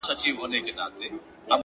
یاد د هغې راکړه _ راته شراب راکه _